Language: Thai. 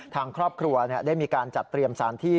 ทางครอบครัวได้มีการจัดเตรียมสารที่